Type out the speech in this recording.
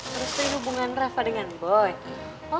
merestui hubungan reva dengan boy